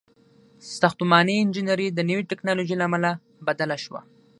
• ساختماني انجینري د نوې ټیکنالوژۍ له امله بدله شوه.